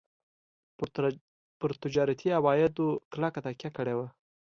پر تجارتي عوایدو کلکه تکیه کړې وه.